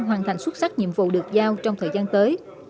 hoàn thành xuất sắc nhiệm vụ được giao trong thời gian tới